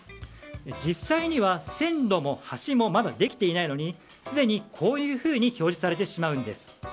実際には、線路も橋もまだできていないのにすでにこういうふうに表示されてしまうんです。